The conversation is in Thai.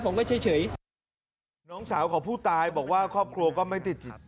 ผมก็เฉยน้องสาวของผู้ตายบอกว่าครอบครัวก็ไม่ติดจิต